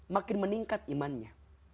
makin meningkat imannya